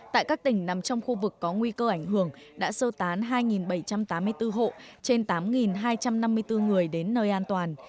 tại các tỉnh nằm trong khu vực có nguy cơ ảnh hưởng đã sơ tán hai bảy trăm tám mươi bốn hộ trên tám hai trăm năm mươi bốn người đến nơi an toàn